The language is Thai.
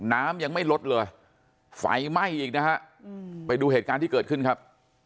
น้ำยังไม่ลดเลยไฟไหม้อีกนะฮะไปดูเหตุการณ์ที่เกิดขึ้นครับ